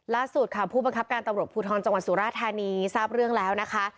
ล่าสุดค่ะผู้บังคับการตำรวจภูทรจังหวัดสุราธานีทราบเรื่องแล้วนะคะ